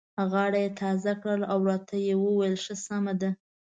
غاړه یې تازه کړه او راته یې وویل: ښه سمه ده.